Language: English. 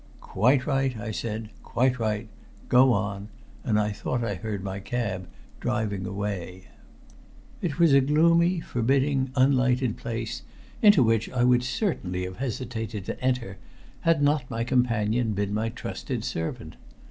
"Quite right," I said. "Quite right. Go on." And I thought I heard my cab driving away. It was a gloomy, forbidding, unlighted place into which I would certainly have hesitated to enter had not my companion been my trusted servant.